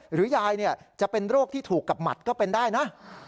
หรือยายจะเป็นโรคที่ถูกกับหมัดก็เป็นได้นะ